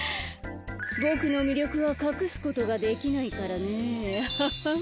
ボクのみりょくはかくすことができないからねははん。